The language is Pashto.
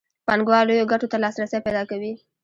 پانګوال لویو ګټو ته لاسرسی پیدا کوي